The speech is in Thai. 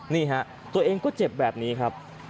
นี่ฮะตัวเองก็เจ็บแบบนี้ครับ